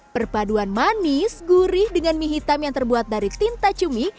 perpaduan manis gurih dengan mie hitam yang terbuat dari tinta cumi